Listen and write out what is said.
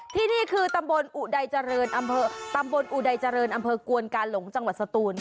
ที่นี่คือตำบลอุดัยเจริญอำเภอกวนกาหลงจังหวัดสตูน